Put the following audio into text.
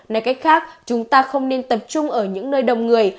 nói cách khác chúng ta không nên tập trung ở những nơi đông người